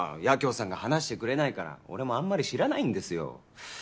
八京さんが話してくれないから俺もあんまり知らないんですよ。